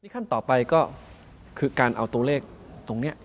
ขั้นต่อไปก็คือการเอาตัวเลขตรงนี้